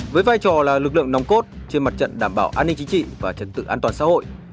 với vai trò là lực lượng nòng cốt trên mặt trận đảm bảo an ninh chính trị và trật tự an toàn xã hội